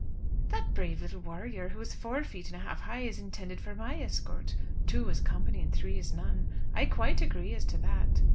"That brave little warrior, who is four feet and a half high, is intended for my escort. Two is company and three is none. I quite agree as to that."